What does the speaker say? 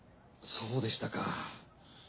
そうでしたか。